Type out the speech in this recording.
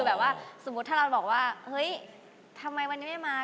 แบบว่าสมมุติท่านรันท์บอกว่าเฮ้ยทำไมวะนี้ครับ